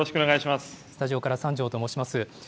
スタジオから、三條と申します。